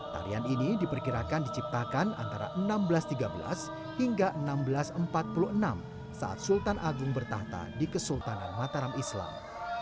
tarian ini diperkirakan diciptakan antara seribu enam ratus tiga belas hingga seribu enam ratus empat puluh enam saat sultan agung bertahta di kesultanan mataram islam